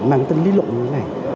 mang tên lý luận như thế này